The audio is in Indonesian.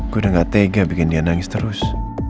gue udah gak tega bikin dia nangis terus